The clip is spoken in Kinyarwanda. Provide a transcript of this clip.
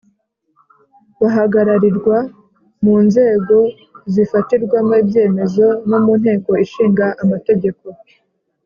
bahagararirwa mu nzego zifatirwamo ibyemezo no mu nteko ishinga amategeko.